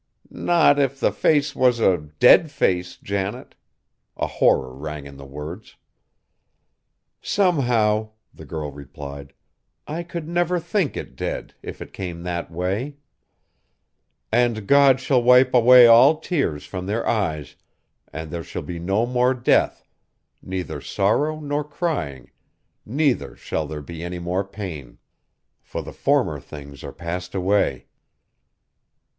"Not if the face was a dead face, Janet!" A horror rang in the words. "Somehow," the girl replied, "I could never think it dead, if it came that way. 'And God shall wipe away all tears from their eyes; and there shall be no more death, neither sorrow nor crying, neither shall there be any more pain: for the former things are passed away.'"